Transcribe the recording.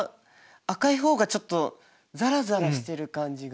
赤い方がちょっとザラザラしてる感じが。